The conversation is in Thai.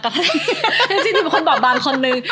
ก็แทบว่าฉันเป็นคนบอกบางคนนึง